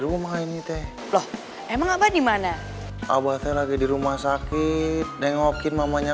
rumah ini teh loh emang abah dimana abah saya lagi di rumah sakit neng ngokin mamanya